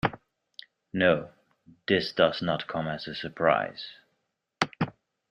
No, this does not come as a surprise.